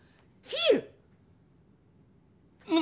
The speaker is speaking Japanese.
フィール。